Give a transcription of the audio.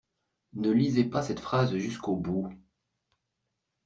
Ne lisez pas cette phrase jusqu'au bout.